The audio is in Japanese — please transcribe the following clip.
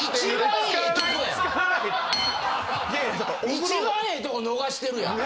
・一番ええとこ逃してるやん！